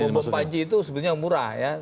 iya bom panci itu sebenarnya murah ya